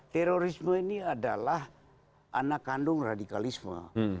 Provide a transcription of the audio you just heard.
terorisme ini adalah anak kandung radikalisme